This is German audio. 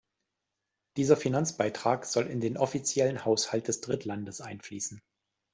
Dieser Finanzbeitrag soll in den offiziellen Haushalt des Drittlandes einfließen.